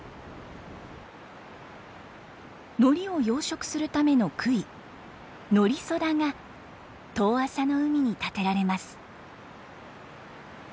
海苔を養殖するための杭「海苔粗朶」が遠浅の海に立てられます。